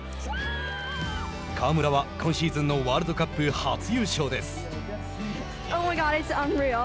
川村は、今シーズンのワールドカップ初優勝です。